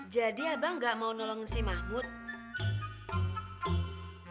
jadi abang enggak mau nolongin si mahmud